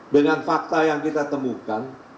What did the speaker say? dengan fakta yang kita temukan